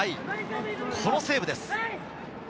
このセーブです。